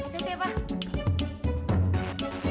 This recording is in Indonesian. sampai jumpa pa